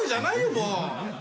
もう。